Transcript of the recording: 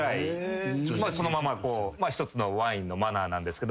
一つのワインのマナーなんですけども。